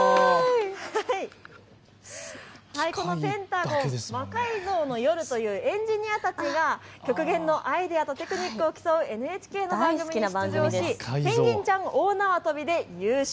このペン太５ん、魔改造の夜というエンジニアたちが極限のアイデアとテクニックを競うＮＨＫの番組に出場しペンギンちゃんの大縄跳びで優勝。